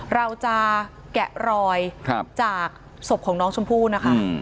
เราจะแกะรอยจากศพของน้องชมพู่นะคะ